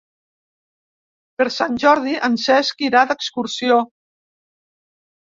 Per Sant Jordi en Cesc irà d'excursió.